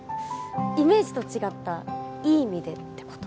イメージと違ったいい意味でってこと